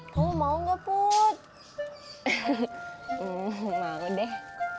kamu mau nggak put